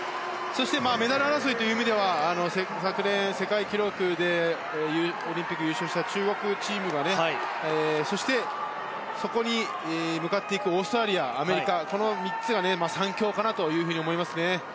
そしてメダル争いという意味では昨年、世界記録でオリンピックを優勝した中国チームがそして、そこに向かっていくオーストラリア、アメリカこの３つが三強かなと思います。